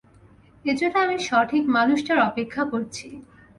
এজন্য আমি সঠিক মানুষটার অপেক্ষা করছি।